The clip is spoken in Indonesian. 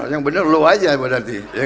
yang benar low aja